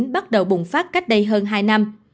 bắt đầu bùng phát cách đây hơn hai năm